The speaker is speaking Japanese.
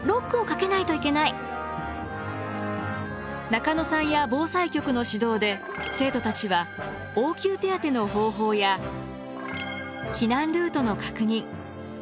中野さんや防災局の指導で生徒たちは応急手当ての方法や避難ルートの確認